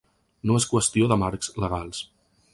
No és qüestió de marcs legals.